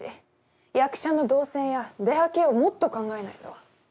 役者の動線や出はけをもっと考えないと。